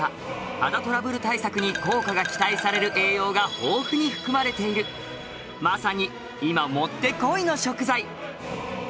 肌トラブル対策に効果が期待される栄養が豊富に含まれているまさに今もってこいの食材。